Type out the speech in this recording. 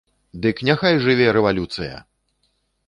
Дык няхай жыве рэвалюцыя!